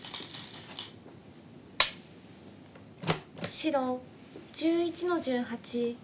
白１１の十八。